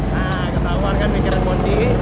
nah kita keluarkan mikirin mondi